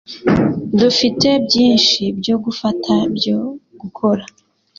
Dufite byinshi byo gufata byo gukora.